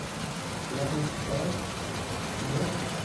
To everyone's surprise, he won.